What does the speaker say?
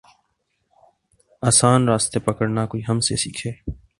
آسان راستے پکڑنا کوئی ہم سے سیکھے۔